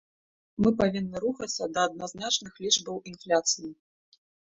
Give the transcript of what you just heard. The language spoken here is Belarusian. Мы павінны рухацца да адназначных лічбаў інфляцыі.